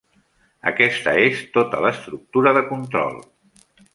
Aquesta és tota l'estructura de control!